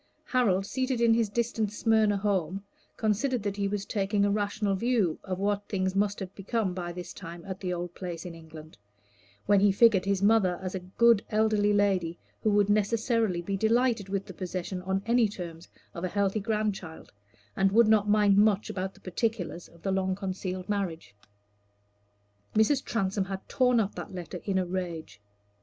Harold seated in his distant Smyrna home considered that he was taking a rational view of what things must have become by this time at the old place in England, when he figured his mother as a good elderly lady, who would necessarily be delighted with the possession on any terms of a healthy grandchild, and would not mind much about the particulars of a long concealed marriage. Mrs. Transome had torn up that letter in a rage.